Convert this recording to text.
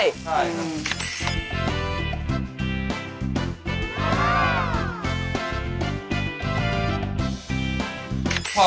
ใช่ครับ